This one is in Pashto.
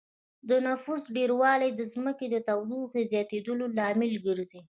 د نفوس ډېروالی د ځمکې د تودوخې د زياتېدو لامل ګرځي